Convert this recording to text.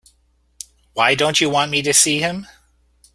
Why don't you want me to see him?